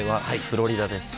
フロリダ。